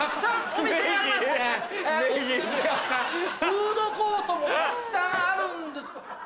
フードコートもたくさんあるんです。